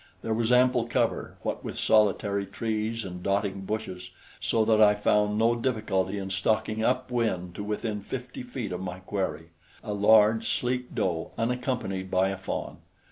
There was ample cover, what with solitary trees and dotting bushes so that I found no difficulty in stalking up wind to within fifty feet of my quarry a large, sleek doe unaccompanied by a fawn.